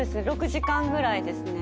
６時間ぐらいですね。